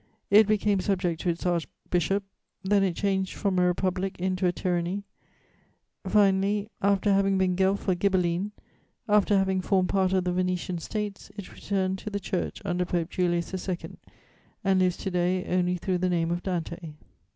It became subject to its archbishop; then it changed from a republic into a tyranny; finally, after having been Guelph or Ghibelline, after having formed part of the Venetian States, it returned to the Church under Pope Julius II. and lives to day only through the name of Dante.